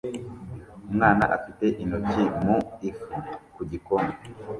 Umwana afite intoki mu ifu ku gikoni